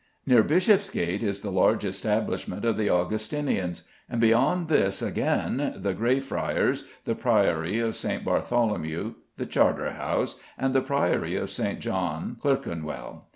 Near Bishopsgate is the large establishment of the Augustinians, and beyond this again the Grey Friars, the Priory of St. Bartholomew, the Charter House, and the Priory of St. John, Clerkenwell.